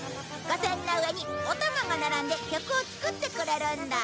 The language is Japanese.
五線の上にお玉が並んで曲を作ってくれるんだ。